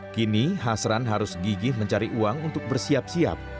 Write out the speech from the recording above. kini hasran harus gigih mencari uang untuk bersiap siap